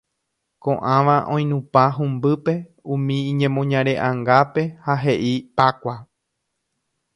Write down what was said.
ko'ãva oinupã humbýpe umi iñemoñare'angápe ha he'i pákua